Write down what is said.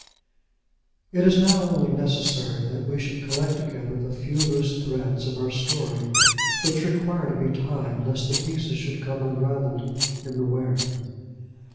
It is now only necessary that we should collect together the few loose threads of our story which require to be tied lest the pieces should become unravelled in the wear.